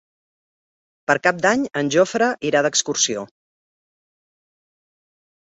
Per Cap d'Any en Jofre irà d'excursió.